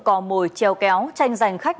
cò mồi treo kéo tranh giành khách